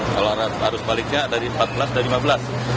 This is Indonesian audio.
kalau arus baliknya dari empat belas dan lima belas